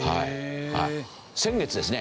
先月ですね